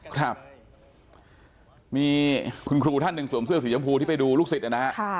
ครับมีคุณครูท่านหนึ่งสวมเสื้อสีชมพูที่ไปดูลูกศิษย์นะฮะ